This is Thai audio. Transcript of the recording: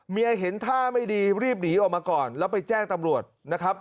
เห็นท่าไม่ดีรีบหนีออกมาก่อนแล้วไปแจ้งตำรวจนะครับ